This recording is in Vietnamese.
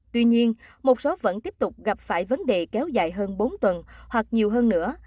tuy nhiên một số vẫn tiếp tục gặp phải vấn đề kéo dài hơn bốn tuần hoặc nhiều hơn nữa